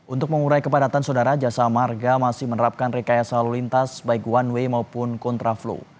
untuk mengurai kepadatan saudara jasa marga masih menerapkan rekayasa lalu lintas baik one way maupun kontraflow